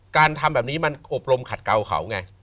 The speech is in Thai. การทำแบบนี้มันอบรมขัดเกาเขาไง